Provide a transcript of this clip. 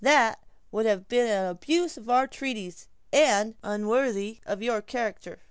"That would have been an abuse of our treaties, and unworthy of your character."